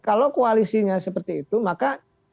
kalau koalisinya seperti itu maka